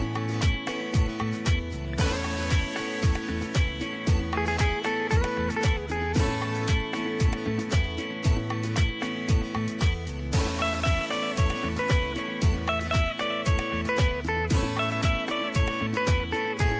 ขอบคุณนะครับ